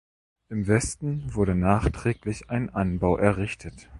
Im Westen wurde nachträglich ein Anbau errichtet.